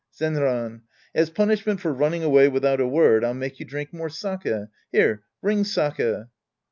Zenran. As punishment for running away without a word, I'll make you drink more sake. Here, bring sake.